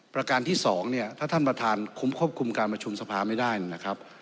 ประการที่สองเนี่ยถ้าท่านประธานคุ้มควบคุมการประชุมสภาไม่ได้นะครับ